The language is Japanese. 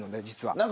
実は。